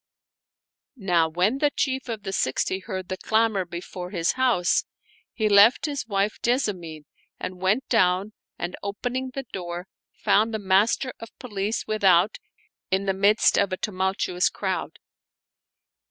Now when the Chief of the Sixty heard the clamor before his house, he left his wife Jessamine and went down and, opening the door, found the Master of Police without in the midst of a tumultuous crowd.